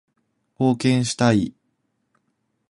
貢献したい